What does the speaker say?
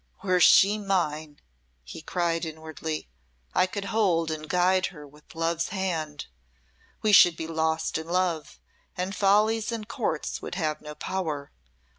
"Were she mine," he cried, inwardly, "I could hold and guide her with love's hand. We should be lost in love, and follies and Courts would have no power.